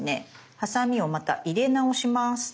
ハサミをまた入れ直します。